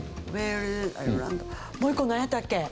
もう一個なんやったっけ？